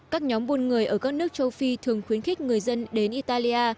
các nhóm buôn người ở các nước châu phi thường khuyến khích người dân đến italia